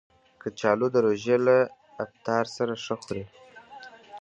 کچالو د روژې له افطار سره ښه خوري